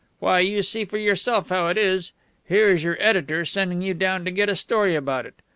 Why, you see for yourself how it is. Here is your editor sending you down to get a story about it.